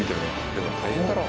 でも大変だろう。